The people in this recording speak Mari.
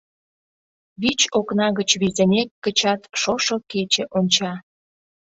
Вич окна гыч визынек гычат шошо кече онча.